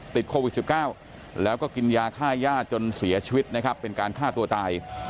ติดโควิด๑๙แล้วก็กินยาฆ่าย่าจนเสียชีวิตนะครับเป็นการฆ่าตัวตาย